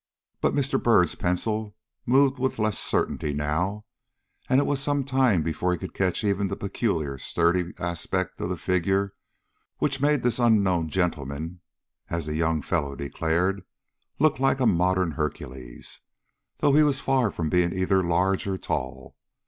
But Mr. Byrd's pencil moved with less certainty now, and it was some time before he could catch even the peculiarly sturdy aspect of the figure which made this unknown gentleman, as the young fellow declared, look like a modern Hercules, though he was far from being either large or tall.